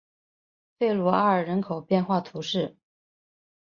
弗鲁阿尔人口变化图示